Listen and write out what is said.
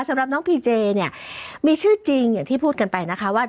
สำหรับน้องพีเจเนี่ยมีชื่อจริงอย่างที่พูดกันไปนะคะว่า